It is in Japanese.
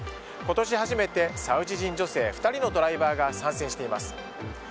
今年初めてサウジ人女性２人のドライバーが参戦しています。